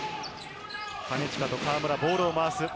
金近、河村、ボールを回す。